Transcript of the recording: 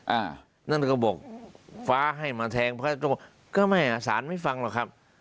อ่านั่นก็บอกฟ้าให้มาแทงพระก็บอกก็ไม่อ่ะสารไม่ฟังหรอกครับ